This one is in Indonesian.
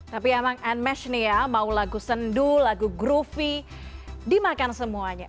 tapi emang anmesh nih ya mau lagu sendu lagu groovy dimakan semuanya